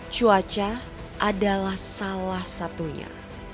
cuaca adalah salah satunya